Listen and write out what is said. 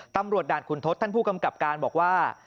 ด่านขุนทศท่านผู้กำกับการบอกว่า